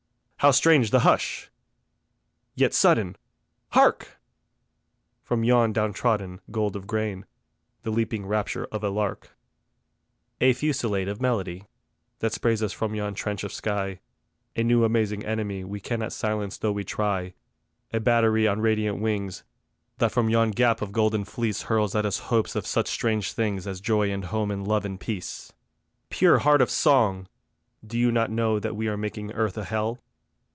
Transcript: How strange the hush! Yet sudden, hark! From yon down trodden gold of grain, The leaping rapture of a lark. A fusillade of melody, That sprays us from yon trench of sky; A new amazing enemy We cannot silence though we try; A battery on radiant wings, That from yon gap of golden fleece Hurls at us hopes of such strange things As joy and home and love and peace. Pure heart of song! do you not know That we are making earth a hell?